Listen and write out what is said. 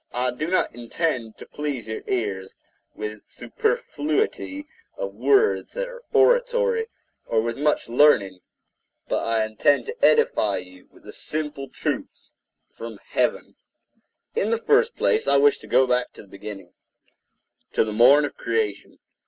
I do not intend to please your ears with superfluity of words or oratory, or with much learning; but I intend to edify you with the simple truths from heaven. The Character of God[edit] In the first place, I wish to go back to the beginning—to the morn of creation.